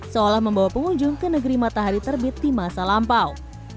seolah membawa pengunjung ke negeri matahari terbit di masa lampau